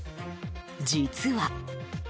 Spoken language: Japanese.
実は。